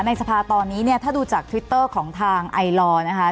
ในสภาตอนนี้เนี่ยถ้าดูจากทวิตเตอร์ของทางไอลอร์นะคะ